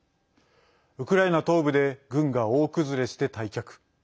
ウクライナ東部で軍が大崩れして退却。